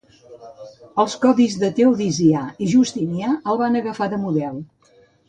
Els codis Teodosià i Justinià el van agafar de model.